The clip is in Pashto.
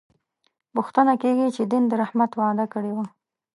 پوښتنه کېږي چې دین د رحمت وعده کړې وه.